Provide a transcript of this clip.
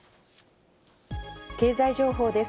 経済情報です。